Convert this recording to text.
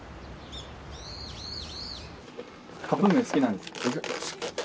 カップ麺好きなんですか？